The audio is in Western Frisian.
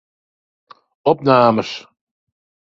Opnames.